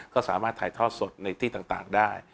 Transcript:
ก็สามารถถ่ายทอดสดในที่ต่างได้